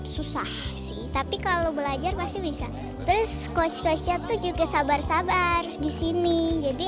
susah sih tapi kalau belajar pasti bisa terus cost kosnya tuh juga sabar sabar disini jadi